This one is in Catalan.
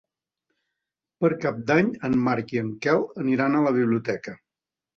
Per Cap d'Any en Marc i en Quel iran a la biblioteca.